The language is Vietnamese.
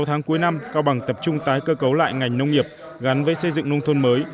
sáu tháng cuối năm cao bằng tập trung tái cơ cấu lại ngành nông nghiệp gắn với xây dựng nông thôn mới